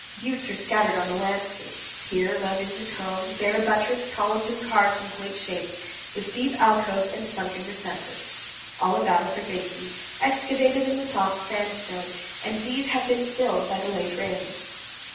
Buttes are scattered on the landscape, here rounded into cones, there buttressed, columned, and carved in quaint shapes, with deep alcoves and sunken recesses. All about us are basins, excavated in the soft sandstone; and these have been filled by the late rains.